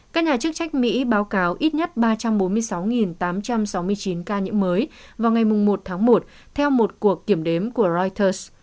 các nhà chức trách mỹ báo cáo ít nhất ba trăm bốn mươi sáu tám trăm sáu mươi chín ca nhiễm mới vào ngày một tháng một theo một cuộc kiểm đếm của reuters